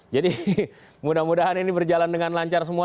jadi mudah mudahan ini berjalan dengan lancar semua